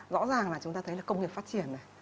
rõ ràng là chúng ta thấy là công nghiệp phát triển này